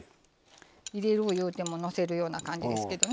入れる言うてものせるような感じですけどね。